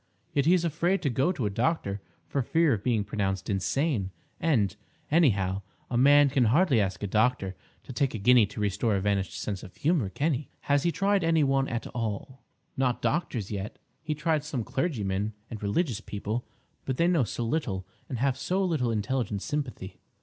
Yet he is afraid to go to a doctor for fear of being pronounced insane; and, anyhow, a man can hardly ask a doctor to take a guinea to restore a vanished sense of humour, can he?" "Has he tried any one at all—?" "Not doctors yet. He tried some clergymen and religious people; but they know so little and have so little intelligent sympathy.